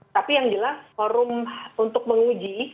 tapi yang jelas forum untuk menguji